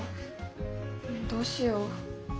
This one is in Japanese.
どうしよう。